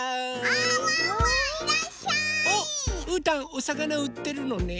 おっうーたんおさかなうってるのね。